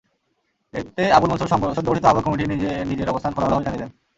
এতে আবুল মনসুর সদ্যগঠিত আহ্বায়ক কমিটি নিয়ে নিজের অবস্থান খোলামেলাভাবে জানিয়ে দেন।